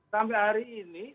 sampai hari ini